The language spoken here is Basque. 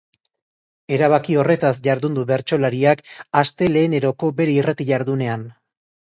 Erabaki horretaz jardun du bertsolariak asteleheneroko bere irrati-jardunean.